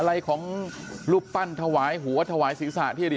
อะไรของรูปปั้นถวายหัวถวายศีรษะที่อดีต